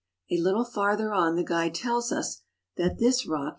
A little farther on the guide tells us that this rock is 64 9 i